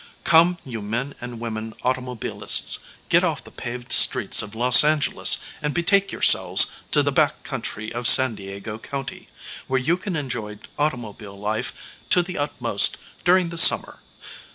Come, you men and women automobilists, get off the paved streets of Los Angeles and betake yourselves to the back country of San Diego county, where you can enjoy automobile life to the utmost during the summer.